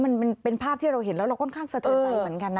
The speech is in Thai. มันเป็นภาพที่เราเห็นแล้วเราค่อนข้างสะเทินใจเหมือนกันนะ